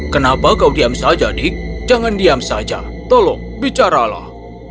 kenapa kau diam saja dik jangan diam saja tolong bicaralah